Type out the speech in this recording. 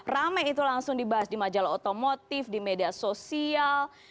rame itu langsung dibahas di majalah otomotif di media sosial